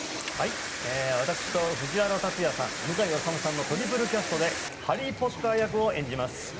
私と藤原竜也さん、向井理さんのトリプルキャストでハリー・ポッター役を演じます。